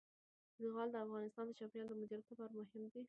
زغال د افغانستان د چاپیریال د مدیریت لپاره مهم دي.